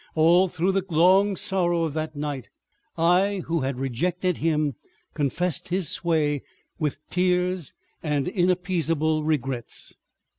All through the long sorrow of that night I, who had rejected him, confessed his sway with tears and inappeasable regrets.